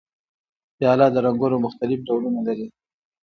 پیاله د رنګونو مختلف ډولونه لري.